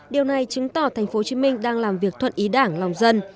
điều này chứng tỏ tp hồ chí minh đang làm việc thuận ý đảng lòng dân